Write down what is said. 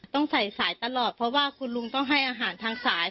ต้องใส่สายตลอดเพราะว่าคุณลุงต้องให้อาหารทางสาย